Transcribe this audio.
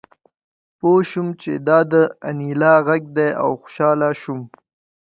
پوه شوم چې دا د انیلا غږ دی او خوشحاله شوم